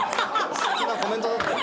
すてきなコメントだったよ。